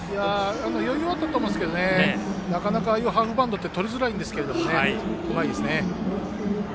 余裕あったと思いますけどなかなかハーフバウンドってとりづらいんですけれどもうまいですね。